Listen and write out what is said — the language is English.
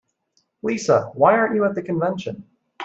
Lisa, why aren't you at the convention?